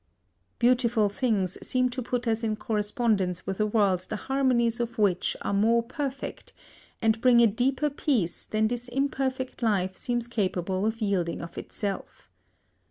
Beautiful things seem to put us in correspondence with a world the harmonies of which are more perfect, and bring a deeper peace than this imperfect life seems capable of yielding of itself.